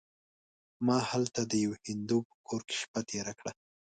ما هلته د یوه هندو په کور کې شپه تېره کړه.